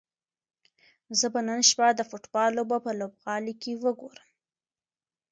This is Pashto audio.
زه به نن شپه د فوټبال لوبه په لوبغالي کې وګورم.